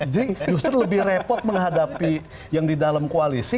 justru lebih repot menghadapi yang di dalam koalisi